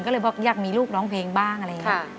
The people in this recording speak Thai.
ก็เลยบอกอยากมีลูกร้องเพลงบ้างอะไรอย่างนี้